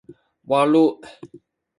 walu